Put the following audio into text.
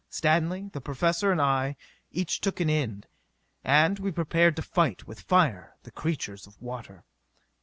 Stanley, the Professor and I each took an end. And we prepared to fight, with fire, the creatures of water.